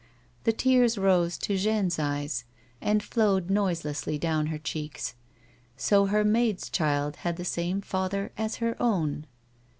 The tears rose to Jeanne's eyes, and flowed noiselessly down her cheeks. So her maid's child had the same father as her own